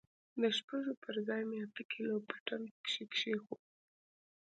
د شپږو پر ځاى مې اته کيلو پټن پکښې کښېښوول.